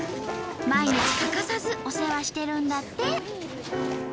毎日欠かさずお世話してるんだって。